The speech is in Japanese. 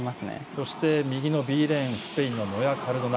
そして、右レーンスペインのノヤカルドナ。